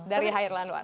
dari hairi lanuar